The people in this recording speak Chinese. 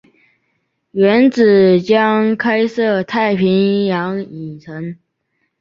原址将开设太平洋影城。